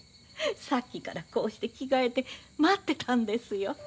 さっきからこうして着替えて待ってたんですよ。